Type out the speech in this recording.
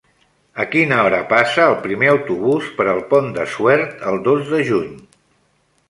A quina hora passa el primer autobús per el Pont de Suert el dos de juny?